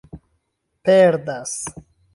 perdas